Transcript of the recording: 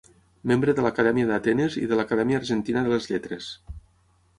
Membre de l'Acadèmia d'Atenes i de l'Acadèmia Argentina de les Lletres.